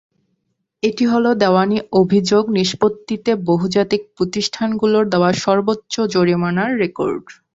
এটি হলো দেওয়ানি অভিযোগ নিষ্পত্তিতে বহুজাতিক প্রতিষ্ঠানগুলোর দেওয়া সর্বোচ্চ জরিমানার রেকর্ড।